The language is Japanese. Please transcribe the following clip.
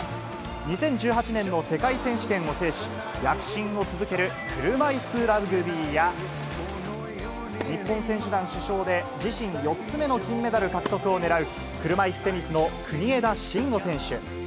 ２０１８年の世界選手権を制し、躍進を続ける車いすラグビーや、日本選手団主将で、自身４つ目の金メダル獲得を狙う、車いすテニスの国枝慎吾選手。